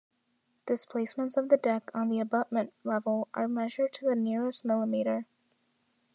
Displacements of the deck on the abutment level are measured to the nearest millimetre.